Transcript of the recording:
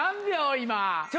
今。